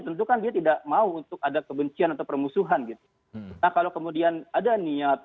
tentukan dia tidak mau untuk ada kebencian atau permusuhan gitu kalau kemudian ada niat